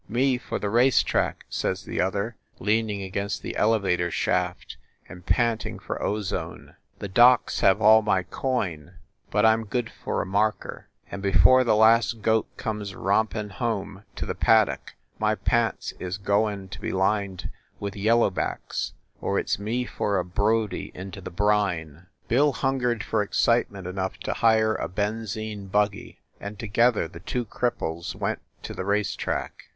"Me for the race track," says the other, leaning against the elevator shaft and panting for ozone. "The docs have all my coin, but I m good for a marker, and before the last goat comes rompin home to the paddock my pants is goin to be lined with yellow backs or it s me for a Brodie into the brine." Bill hungered for excitement enough to hire a benzine buggy, and together the two cripples went to the race track.